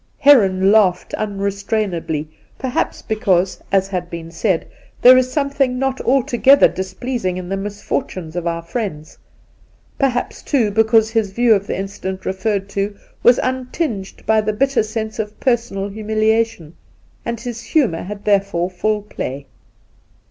Heron lai^hed unrestrainedly, perhaps because (as has ■ been said) there is something not altogether dis pleasing in the misfortunes of our Mends ; perhaps, too, because his view of the incident referred to was untinged by the bitter sense of personal humili ation, and his htltoour had therefore full play.